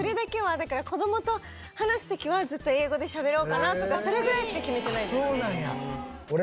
だから子どもと話す時はずっと英語でしゃべろうかなとかそれぐらいしか決めてないですね。